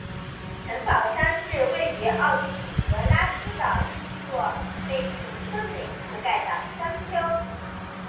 城堡山是位于奥地利格拉兹的一处被森林覆盖的山丘。